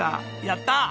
やったー！